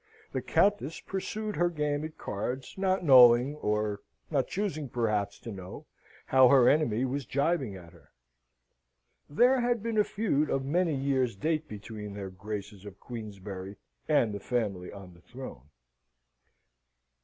The Countess pursued her game at cards, not knowing, or not choosing, perhaps, to know how her enemy was gibing at her. There had been a feud of many years' date between their Graces of Queensberry and the family on the throne.